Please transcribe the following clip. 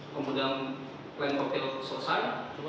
kemudian plan koktil selesai